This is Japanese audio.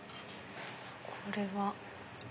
これは。